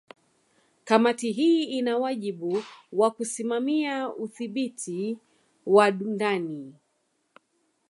Kamati hii ina wajibu wa kusimamia udhibiti wa ndani